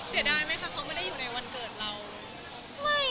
เสียดายไหมคะเขาไม่ได้อยู่ในวันเกิดเรา